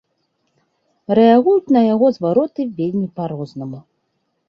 Рэагуюць на яго звароты вельмі па-рознаму.